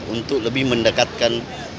untuk lebih mendekatkan